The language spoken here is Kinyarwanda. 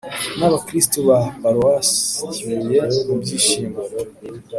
n’abakristu ba paruwasi kibuye mu byishimo